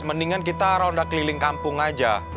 mendingan kita ronda keliling kampung aja